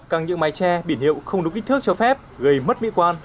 căng những mái tre biển hiệu không đúng kích thước cho phép gây mất mỹ quan